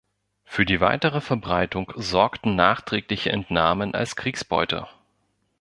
Für die weitere Verbreitung sorgten nachträgliche Entnahmen als Kriegsbeute.